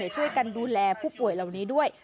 ช่วยกันดูแลผู้ป่วยเหล่านี้ด้วย